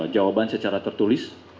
jawaban secara tertulis